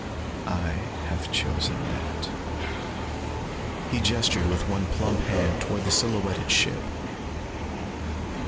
I have chosen that." He gestured with one plump hand toward the silhouetted ship.